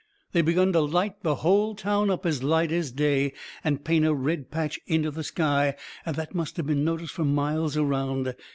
They begun to light the whole town up as light as day, and paint a red patch onto the sky, that must of been noticed fur miles around.